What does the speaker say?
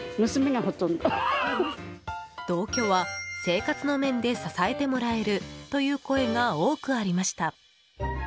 同居は、生活の面で支えてもらえるという声が多くありました。